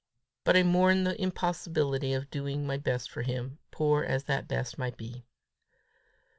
But I mourned the impossibility of doing my best for him, poor as that best might be.